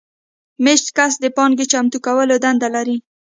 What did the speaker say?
مېشت کس د پانګې چمتو کولو دنده لرله.